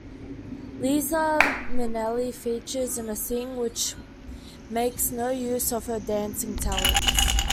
Liza Minnelli features in a scene which makes no use of her dancing talents.